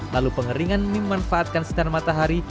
lalu pengeringan mie memanfaatkan setan matahari